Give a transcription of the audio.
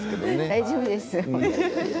大丈夫です。